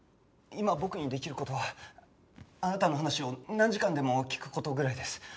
今僕にできる事はあなたの話を何時間でも聞く事ぐらいです。